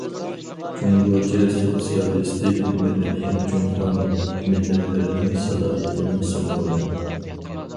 جۇڭگوچە سوتسىيالىستىك مەدەنىيەت جۇڭخۇا مىللەتلىرىنىڭ سالاھىيىتىنىڭ سىمۋولى.